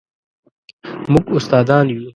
موږ استادان یو